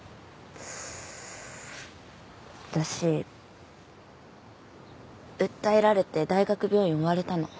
私訴えられて大学病院追われたの。